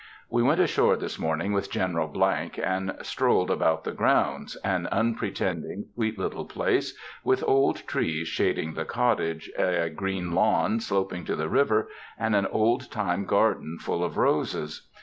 We went ashore this morning with General ——, and strolled about the grounds,—an unpretending, sweet little place, with old trees shading the cottage, a green lawn sloping to the river, and an old time garden full of roses.